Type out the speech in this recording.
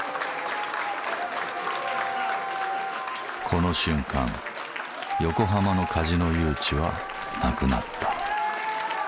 この瞬間横浜のカジノ誘致はなくなった。